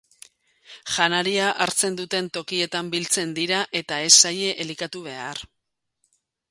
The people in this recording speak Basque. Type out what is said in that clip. Janaria hartzen duten tokietan biltzen dira eta ez zaie elikatu behar.